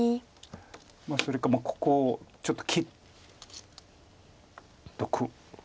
まあそれかここちょっと切っとく。